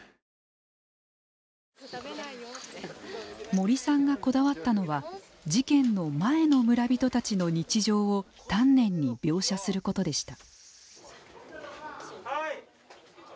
森さんがこだわったのは事件の前の、村人たちの日常を丹念に描写することでした。